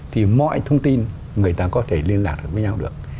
thì mọi thông tin người ta có thể liên lạc được với nhau được